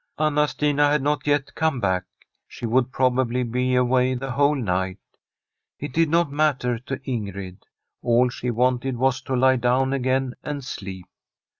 Anna Stina had not yet come back. She would probably be away the whole night. It did not matter to Ingrid ; all she wanted was to lie down again and sleep.